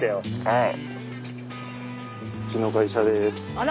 はい。